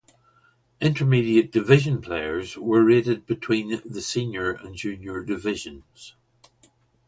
Intermediate division players were rated between the senior and junior divisions.